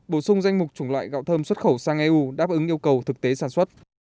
bổ sung danh mục chủng loại gạo thơm xuất khẩu sang eu đáp ứng yêu cầu thực tế sản xuất